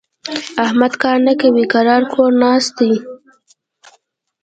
احمد کار نه کوي؛ کرار کور ناست دی.